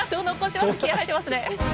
気合い入ってますねえ。